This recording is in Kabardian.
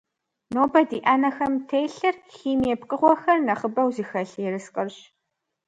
Нобэ ди Ӏэнэхэм телъыр химие пкъыгъуэхэр нэхъыбэу зыхэлъ ерыскъырщ.